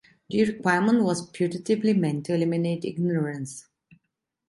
The Requirement was putatively meant to eliminate ignorance.